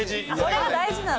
「それが大事」なんだ。